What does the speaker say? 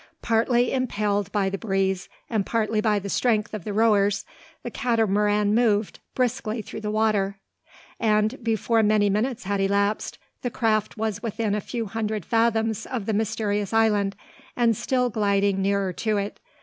Partly impelled by the breeze, and partly by the strength of the rowers, the Catamaran moved, briskly through the water; and, before many minutes had elapsed, the craft was within a few hundred fathoms of the mysterious island, and still gliding nearer to it.